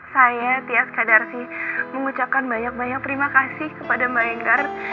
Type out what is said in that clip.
saya tias kadarsi mengucapkan banyak banyak terima kasih kepada mbak enggar